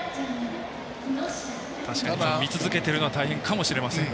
見続けてるのは大変かもしれませんが。